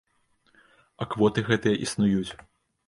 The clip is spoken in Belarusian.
А квоты гэтыя існуюць.